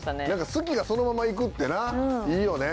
「好き」がそのまま行くってないいよね。